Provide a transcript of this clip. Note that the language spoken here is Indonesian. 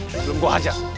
belum gue ajak